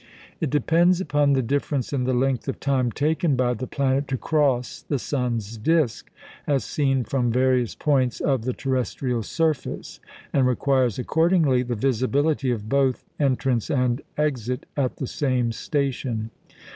It depends upon the difference in the length of time taken by the planet to cross the sun's disc, as seen from various points of the terrestrial surface, and requires, accordingly, the visibility of both entrance and exit at the same station.